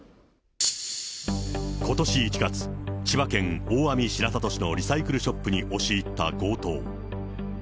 ことし１月、千葉県大網白里市のリサイクルショップに押し入った強盗。